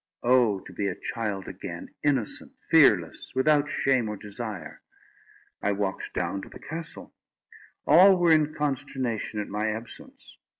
Oh, to be a child again, innocent, fearless, without shame or desire! I walked down to the castle. All were in consternation at my absence.